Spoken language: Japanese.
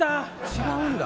違うんだ？